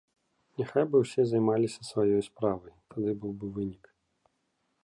Няхай бы ўсе займаліся сваё справай, тады быў бы вынік.